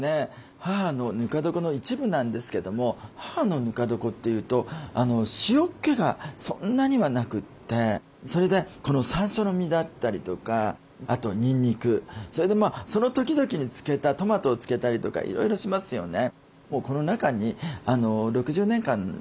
母のぬか床の一部なんですけども母のぬか床っていうと塩けがそんなにはなくてそれでこのさんしょうの実だったりとかあとにんにくそれでその時々に漬けたトマトを漬けたりとかいろいろしますよね。